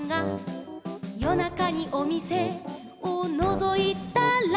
「よなかにおみせをのぞいたら」